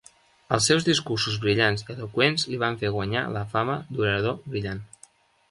Els seus discursos brillants i eloqüents li van fer guanyar la fama d'orador brillant.